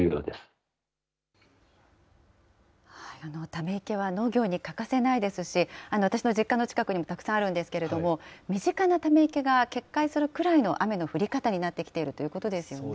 ため池は農業に欠かせないですし、私の実家の近くにもたくさんあるんですけれども、身近なため池が決壊するくらいの雨の降り方になってきているといそうですね。